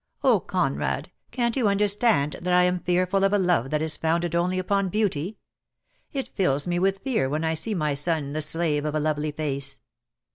Oh, Conrad, can't you •understand that I am fearful of a love that is ■founded only upon beauty. It fills me with fear when I see my son the slave of a lovely face.